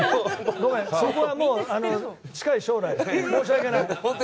そこは近い将来、申し訳ない。